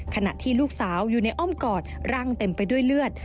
ขณะที่ลูกสาวอยู่ในอ้อมกอดร่างเต็มไปด้วยเลือด